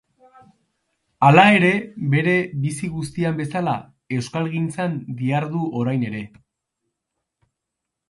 Hala ere, bere bizi guztian bezala, euskalgintzan dihardu orain ere.